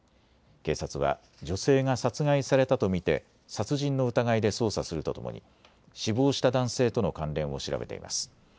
警察は女性が殺害されたと見て殺人の疑いで捜査するとともに死亡した男性との関連を調べています。